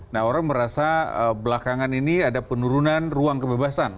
nah orang merasa belakangan ini ada penurunan ruang kebebasan